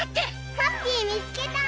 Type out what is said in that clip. ハッピーみつけた！